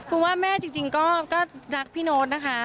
คือว่าแม่จริงก็รักพี่โน๊ตนะคะ